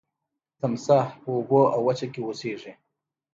تمساح په اوبو او وچه کې اوسیږي